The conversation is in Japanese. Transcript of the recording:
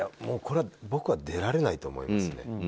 これは僕は出られないと思いますね。